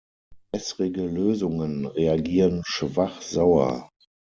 Wässrige Lösungen reagieren schwach sauer.